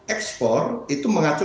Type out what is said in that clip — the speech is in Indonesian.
ekspor itu mengacu